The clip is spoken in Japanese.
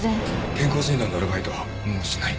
健康診断のアルバイトはもうしない。